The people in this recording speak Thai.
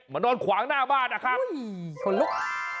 มานอนขวางหน้าบ้านอะครับ